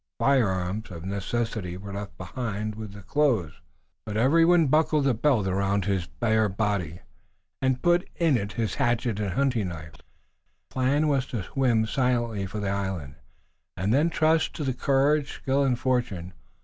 Firearms, of necessity, were left behind with the clothes, but everyone buckled a belt around his bare body, and put in it his hatchet and hunting knife. The plan was to swim silently for the island and then trust to courage, skill and fortune.